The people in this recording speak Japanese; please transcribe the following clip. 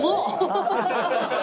ハハハハ。